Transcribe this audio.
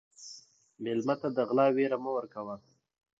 مېلمه ته د غلا وېره مه ورکوه.